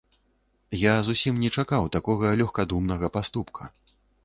Я зусім не чакаў такога лёгкадумнага паступка.